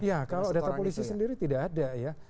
ya kalau data polisi sendiri tidak ada ya